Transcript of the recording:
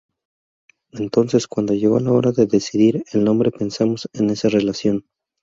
Entonces cuando llegó la hora de decidir el nombre pensamos en esa relación.